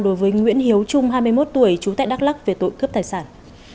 đối với nguyễn hiếu trung hai mươi một tuổi trú tại đắk lắc về tội cướp tài sản